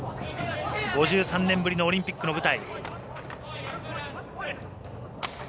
５３年ぶりのオリンピックの舞台。